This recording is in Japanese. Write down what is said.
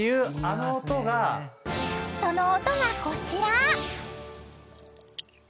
［その音がこちら］